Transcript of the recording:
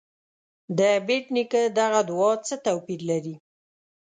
د بېټ نیکه دغه دعا څه توپیر لري.